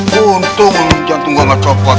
gue untung jantung gue gak copot